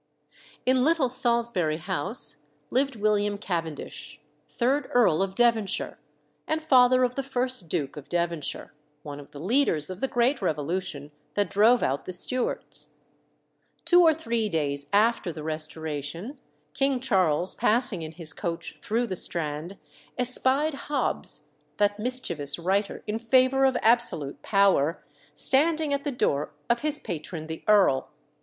In Little Salisbury House lived William Cavendish, third Earl of Devonshire, and father of the first Duke of Devonshire, one of the leaders of the great revolution that drove out the Stuarts. Two or three days after the Restoration, King Charles, passing in his coach through the Strand, espied Hobbes, that mischievous writer in favour of absolute power, standing at the door of his patron the earl.